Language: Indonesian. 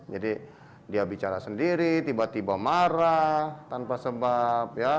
dia bicara sendiri tiba tiba marah tanpa sebab